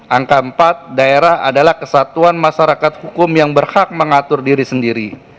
angka empat daerah adalah kesatuan masyarakat hukum yang berhak mengatur diri sendiri